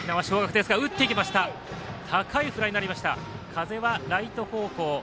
風はライト方向。